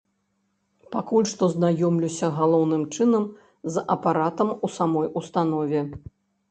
Пакуль што знаёмлюся галоўным чынам з апаратам у самой установе.